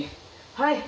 はい！